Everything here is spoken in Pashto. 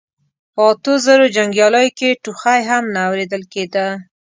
په اتو زرو جنګياليو کې ټوخی هم نه اورېدل کېده.